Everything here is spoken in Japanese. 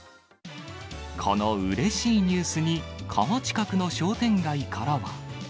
このうれしいニュースに川近くの商店街からは。